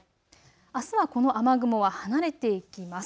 あすはこの雨雲は離れていきます。